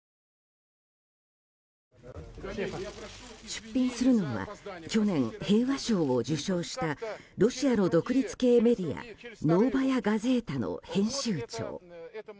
出品するのは去年、平和賞を受賞したロシアの独立系メディアノーバヤ・ガゼータの編集長。